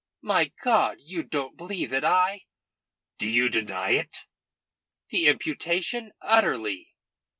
"My God, you don't believe that I " "Do you deny it?" "The imputation? Utterly."